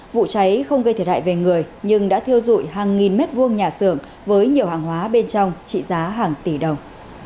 vụ cháy không gây thiệt hại về người nhưng đã thiêu dụi hàng nghìn mét vuông nhà xưởng với nhiều hàng hóa bên trong trị giá hàng tỷ đồng